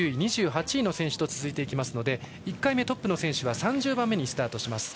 ２９位、２８位と選手と続いていきますので１回目トップの選手は３０番目のスタート。